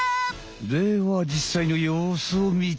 ではじっさいのようすをみてみよう。